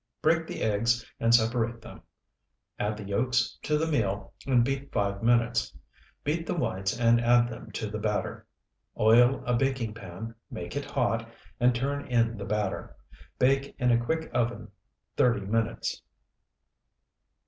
Break the eggs and separate them; add the yolks to the meal and beat five minutes. Beat the whites and add them to the batter. Oil a baking pan, make it hot, and turn in the batter. Bake in a quick oven thirty minutes.